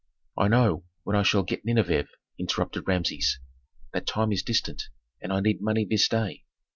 "I know, when I shall get Nineveh," interrupted Rameses. "That time is distant and I need money this day."